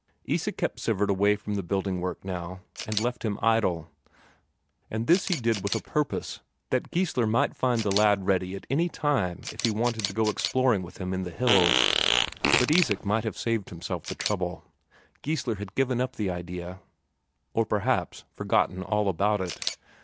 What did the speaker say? Isak kept Sivert away from the building work now, and left him idle and this he did with a purpose, that Geissler might find the lad ready at any time if he wanted to go exploring with him in the hills. But Isak might have saved himself the trouble; Geissler had given up the idea, or perhaps forgotten all about it.